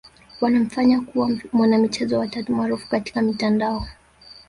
wanamfanya kuwa mwanamichezo wa tatu maarufu katika mitandao